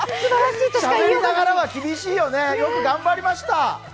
しゃべりながらは厳しいよね、よく頑張りました。